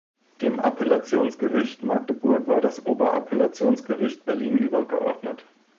Dem Appellationsgericht Magdeburg war das Oberappellationsgericht Berlin übergeordnet.